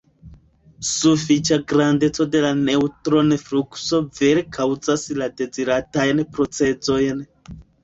Sufiĉa grandeco de la neŭtron-flukso vere kaŭzas la deziratajn procezojn.